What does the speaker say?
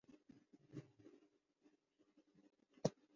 چار شہرو ں میں پروازوں کی کمی کر رہے ہیں